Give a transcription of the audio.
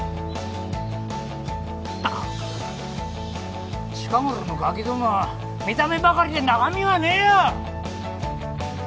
ったく近ごろのガキどもは見た目ばかりで中身がねえよ！